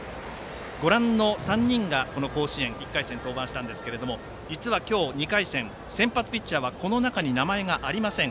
ご覧の３人が甲子園１回戦、登板したんですけれど実は今日２回戦、先発ピッチャーはこの中に名前がありません。